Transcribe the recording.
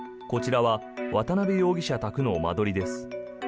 こちらは渡辺容疑者宅の間取りです。